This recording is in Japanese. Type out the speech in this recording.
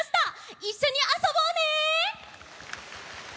いっしょにあそぼうね！